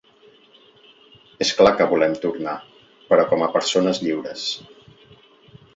És clar que volem tornar, però com a persones lliures.